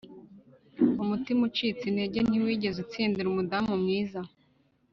umutima ucitse intege ntiwigeze utsindira umudamu mwiza